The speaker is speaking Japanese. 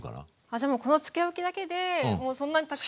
じゃあもうこの漬けおきだけでもうそんなにたくさんに。